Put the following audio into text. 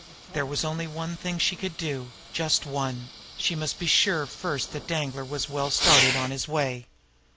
There was only one thing she could do, just one; but she must be sure first that Danglar was well started on his way.